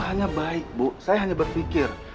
hanya baik bu saya hanya berpikir